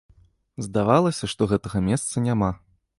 Здавалася, што гэтага месца няма.